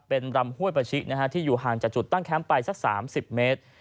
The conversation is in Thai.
เป็นลำห้วยประชิที่อยู่ห่างจากจุดตั้งแคมป์ไปสัก๓๐เมตร